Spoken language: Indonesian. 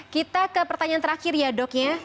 kita ke pertanyaan terakhir ya doknya